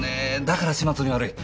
だから始末に悪い。